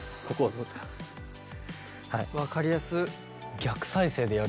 分かりやすっ。